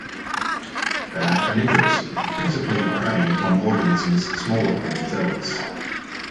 They are carnivorous, principally preying upon organisms smaller than themselves.